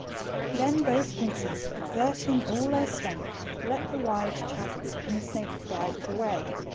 Then both princes, exerting all their strength, leaped the wide chasm, and the snakes glided away.